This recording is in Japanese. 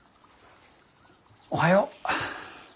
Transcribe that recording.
おはよう。